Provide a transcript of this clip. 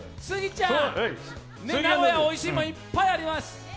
スギちゃん、名古屋おいしいもんいっぱいあります。